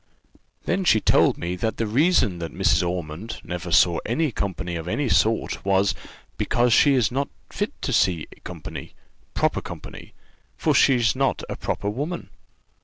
Then she told me that the reason that Mrs. Ormond never saw any company of any sort was, because she is not fit to see company proper company for she's not a proper woman.